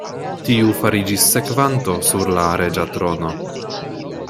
Tiu fariĝis sekvanto sur la reĝa trono.